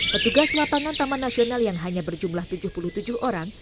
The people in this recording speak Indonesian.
petugas lapangan taman nasional yang hanya berjumlah tujuh puluh tujuh orang